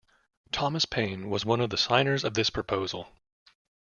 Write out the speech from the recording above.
Thomas Paine was one of the signers of this proposal.